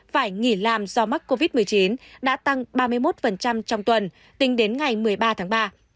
phải nghỉ làm do mắc covid một mươi chín đã tăng ba mươi một trong tuần tính đến ngày một mươi ba tháng ba